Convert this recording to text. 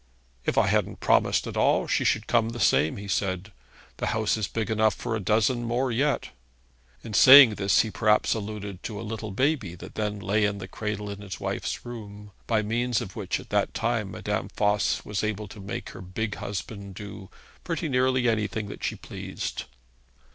'If I hadn't promised at all, she should come the same,' he said. 'The house is big enough for a dozen more yet.' In saying this he perhaps alluded to a little baby that then lay in a cradle in his wife's room, by means of which at that time Madame Voss was able to make her big husband do pretty nearly anything that she pleased.